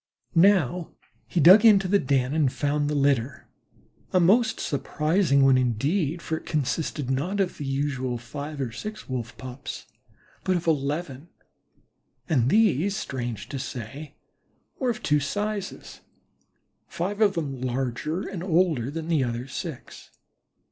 Now he dug into the den and found the litter, a most surprising one indeed, for it consisted not of the usual five or six Wolf pups, but of eleven, and these, strange to say, were of two sizes, five of them larger and older than the other six.